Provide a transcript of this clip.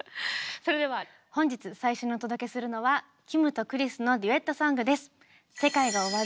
それでは本日最初にお届けするのはキムとクリスのデュエットソングです。